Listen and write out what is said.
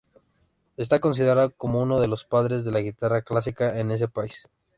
Está considerado como uno de los padres de la guitarra clásica en ese país.